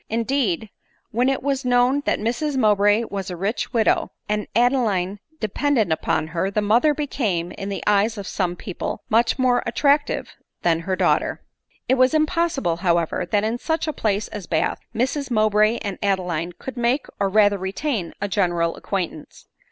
Indeed, when it was known that Mrs Mowbray was a rich widow, and Adeline depen .J ADELINE MOWBRAY. 23 dent upon her, the mother became, in the eyes of some people much more attractive than her daughter. It was impossible, however, that in such a place as Bath, Mrs Mowbray and Adeline could make, or rather retain a general acqaintance.